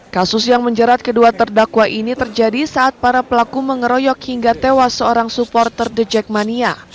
kasus yang menjerat kedua terdakwa ini terjadi saat para pelaku mengeroyok hingga tewas seorang supporter the jackmania